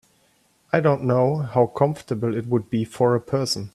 I don’t know how comfortable it would be for a person.